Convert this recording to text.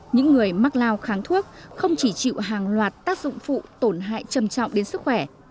những người mắc lao kháng thuốc không chỉ chịu hàng loạt tác dụng phụ tổn hại trầm trọng đến sức khỏe